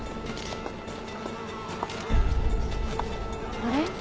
あれ？